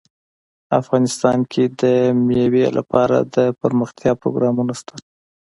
افغانستان کې د مېوې لپاره دپرمختیا پروګرامونه شته.